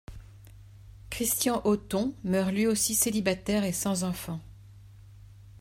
Christian-Othon meurt lui aussi célibataire et sans enfants.